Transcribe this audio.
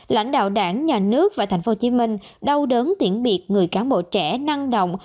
lãnh đạo đảng nhà nước và tp hcm đau đớn tiễn biệt người cán bộ trẻ năng động